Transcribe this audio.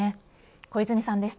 小泉さんでした。